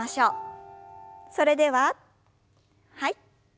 それでははい。